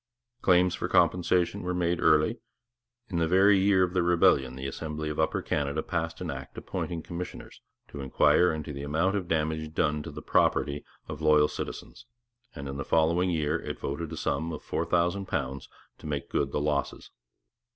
Claims for compensation were made early. In the very year of the rebellion the Assembly of Upper Canada passed an Act appointing commissioners to inquire into the amount of damage done to the property of loyal citizens; and in the following year it voted a sum of £4000 to make good the losses.